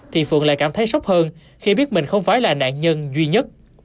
thì phượng lại cảm thấy sốc hơn khi biết mình không phải là nạn nhân duy nhất